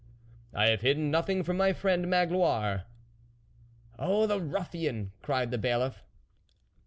" I have hidden nothing from my friend Magloire." " Oh ! the ruffian !" cried the Bailiff.